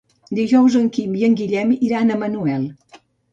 Dijous en Quim i en Guillem iran a Manuel.